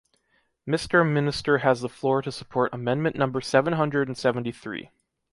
Mister Minister has the floor to support amendment number seven hundred and seventy-three.